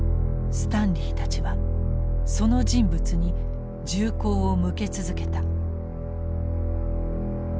スタンリーたちはその人物に銃口を向け続けた。